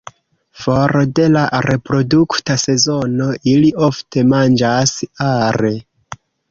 For de la reprodukta sezono, ili ofte manĝas are.